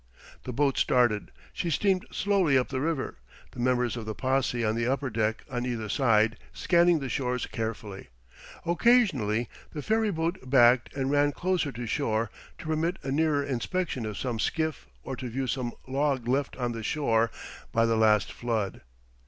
The boat started. She steamed slowly up the river, the members of the posse on the upper deck on either side, scanning the shores carefully. Occasionally the ferry boat backed and ran closer to shore to permit a nearer inspection of some skiff or to view some log left on the shore by the last flood.